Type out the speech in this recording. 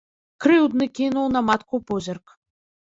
Крыўдны кінуў на матку позірк.